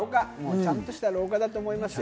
ちゃんとした老化だと思いますよ。